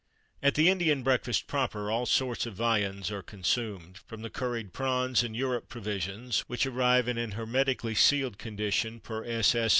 At the Indian breakfast proper, all sorts of viands are consumed; from the curried prawns and Europe provisions (which arrive in an hermetically sealed condition per s.s.